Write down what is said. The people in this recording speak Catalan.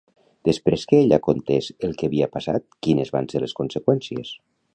Després que ella contés el que havia passat, quines van ser les conseqüències?